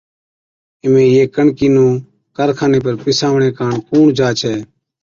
اِمھين يي ڪڻڪِي نُون ڪارخاني پر پِيساوَڻي ڪاڻ ڪُوڻ جا ڇي؟